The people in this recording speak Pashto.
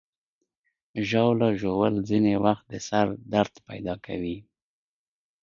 ژاوله ژوول ځینې وخت د سر درد پیدا کوي.